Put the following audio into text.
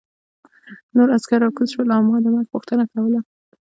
نور عسکر راکوز شول او ما د مرګ غوښتنه کوله